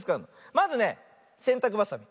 まずねせんたくばさみ。